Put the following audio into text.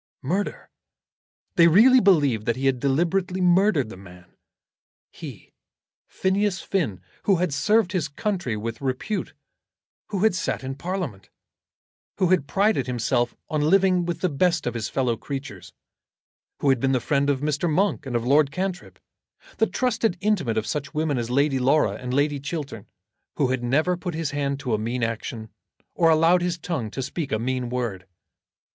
Murder! They really believed that he had deliberately murdered the man; he, Phineas Finn, who had served his country with repute, who had sat in Parliament, who had prided himself on living with the best of his fellow creatures, who had been the friend of Mr. Monk and of Lord Cantrip, the trusted intimate of such women as Lady Laura and Lady Chiltern, who had never put his hand to a mean action, or allowed his tongue to speak a mean word!